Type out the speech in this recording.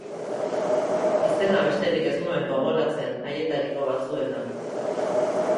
Izena besterik ez nuen gogoratzen haietariko batzuena.